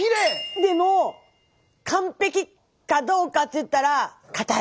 でも完璧かどうかって言ったら硬い。